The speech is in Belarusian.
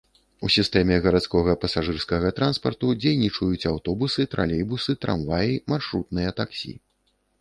У сістэме гарадскога пасажырскага транспарту дзейнічаюць аўтобусы, тралейбусы, трамваі, маршрутныя таксі.